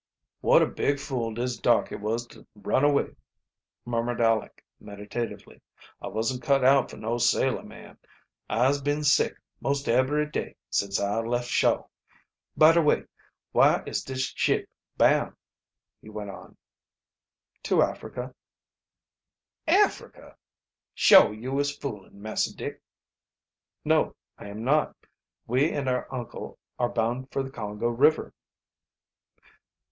"What a big fool dis darkey was to run away!" murmured Aleck meditatively. "I wasn't cut out fo' no sailer man. Ise been sick most ebery day since I left shoah. By de way, whar is dis ship bound?" he went on. "To Africa." "Africa! Shuah yo' is foolin', Massah Dick?" "No, I am not. We and our uncle are bound for the Congo River."